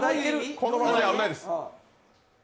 このままじゃ危ない。